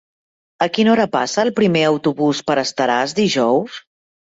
A quina hora passa el primer autobús per Estaràs dijous?